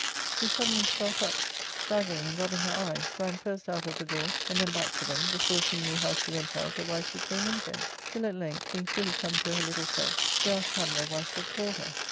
she suddenly start up, staggering, and rubbing her eyes, ran first out of the dpor, and then back to them, before she knew, how she went out or why she came in again ; till at length, being fully come to her little self, she asked Pamela why she had called her.